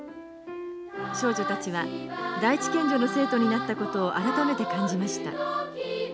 少女たちは第一県女の生徒になったことを改めて感じました。